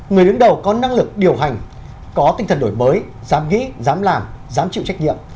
người đứng đầu có năng lực điều hành có tinh thần đổi mới dám nghĩ dám làm dám chịu trách nhiệm